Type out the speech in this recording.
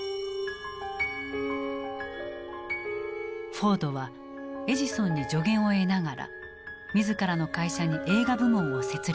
フォードはエジソンに助言を得ながら自らの会社に映画部門を設立した。